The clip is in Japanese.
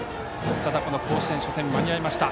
ただ、甲子園の初戦は間に合いました。